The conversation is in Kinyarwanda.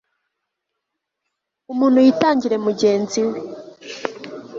umuntu yitangire mugenzi we